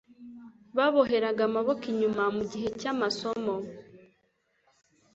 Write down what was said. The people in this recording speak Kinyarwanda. bababoheraga amaboko inyuma mu gihe cy'amasomo.